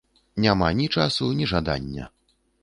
Няма ні часу, ні жадання.